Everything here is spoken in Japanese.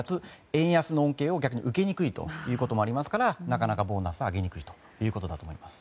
円安の恩恵を逆に受けにくいということもありますから、なかなかボーナスを上げにくいということだと思います。